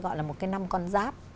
gọi là một cái năm con giáp